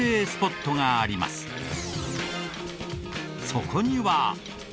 そこには。